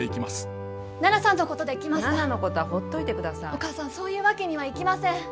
お母さんそういうわけにはいきません。